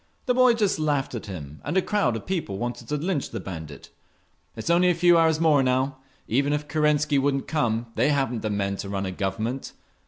The boy just laughed at him, and a crowd of people wanted to lynch the bandit. It's only a few hours more, now. Even if Kerensky wouldn't come they haven't the men to run a Government.